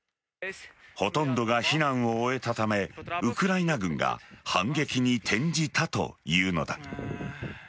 ほとんどが避難を終えたためウクライナ軍が反撃に転じたというのだ。